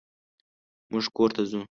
مونږ کور ته ځو.